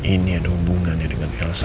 ini ada hubungannya dengan elsa dan mama sarah